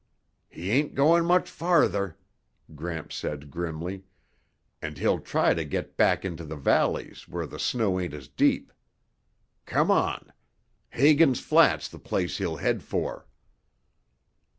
"He ain't going much farther," Gramps said grimly. "And he'll try to get back into the valleys where the snow ain't as deep. Come on. Hagen's Flat's the place he'll head for."